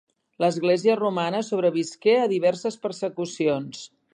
L'església romana sobrevisqué a diverses persecucions.